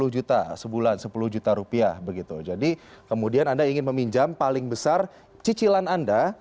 sepuluh juta sebulan sepuluh juta rupiah begitu jadi kemudian anda ingin meminjam paling besar cicilan anda